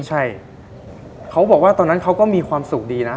ใช่เขาบอกว่าตอนนั้นเขาก็มีความสุขดีนะ